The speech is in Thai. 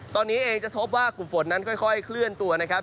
ตอนนี้เองจะพบว่ากลุ่มฝนนั้นค่อยเคลื่อนตัวนะครับ